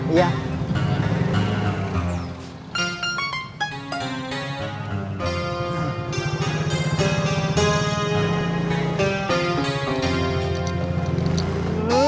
setelah etik setelah tinggal